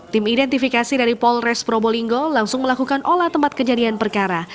tim identifikasi dari polres probolinggo langsung melakukan olah tempat kejadian perkara